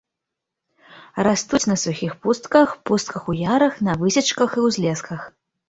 Растуць на сухіх пустках, пустках, у ярах, на высечках і ўзлесках.